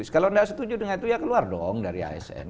kalau tidak setuju dengan itu ya keluar dong dari asn